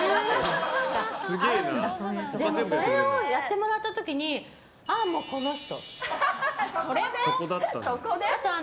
それをやってもらった時にあー、もうこの人！